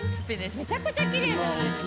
めちゃくちゃきれいじゃないですか？